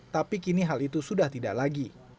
tapi kini hal itu sudah tidak lagi